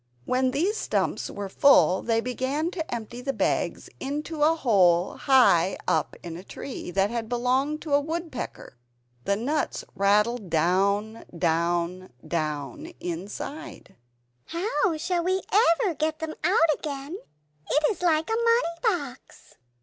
When these stumps were full, they began to empty the bags into a hole high up a tree, that had belonged to a woodpecker; the nuts rattled down down down inside. "How shall you ever get them out again? It is like a money box!"